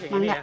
yang ini ya